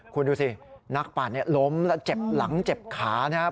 คุณดูสินักปั่นล้มแล้วเจ็บหลังเจ็บขานะครับ